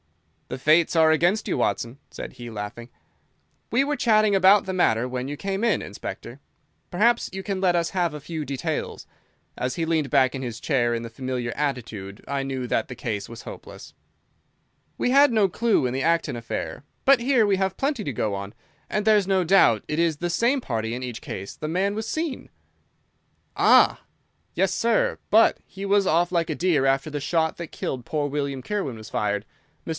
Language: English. "The fates are against you, Watson," said he, laughing. "We were chatting about the matter when you came in, Inspector. Perhaps you can let us have a few details." As he leaned back in his chair in the familiar attitude I knew that the case was hopeless. "We had no clue in the Acton affair. But here we have plenty to go on, and there's no doubt it is the same party in each case. The man was seen." "Ah!" "Yes, sir. But he was off like a deer after the shot that killed poor William Kirwan was fired. Mr.